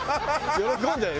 喜ぶんじゃない？